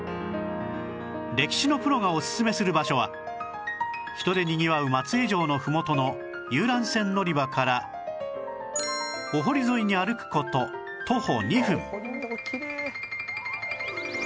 歴史のプロがおすすめする場所は人でにぎわう松江城のふもとの遊覧船乗り場からお堀沿いに歩く事徒歩２分